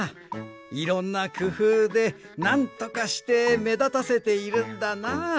いろんなくふうでなんとかしてめだたせているんだなあ。